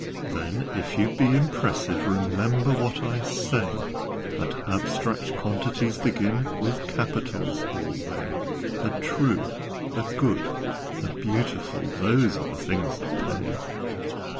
"Then, if you'd be impressive, Remember what I say, That abstract qualities begin With capitals alway: The True, the Good, the Beautiful Those are the things that pay!